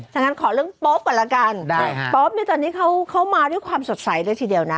อย่างนั้นขอเรื่องโป๊ปก่อนละกันโป๊ปเนี่ยตอนนี้เขามาด้วยความสดใสเลยทีเดียวนะ